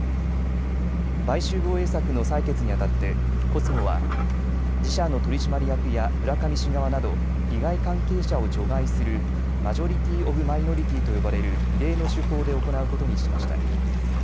買収防衛策の採決にあたってコスモは自社の取締役や村上氏側など利害関係者を除外するマジョリティー・オブ・マイノリティーと呼ばれる異例の手法で行うことにしました。